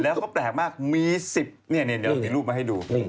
แล้วก็แปลกมากมี๑๐เนี่ยเดี๋ยวเรามีรูปมาให้ดู